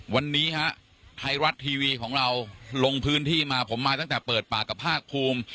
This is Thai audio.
วันนี้ฮะไทยรัฐทีวีของเราลงพื้นที่มาผมมาตั้งแต่เปิดปากกับภาคภูมิ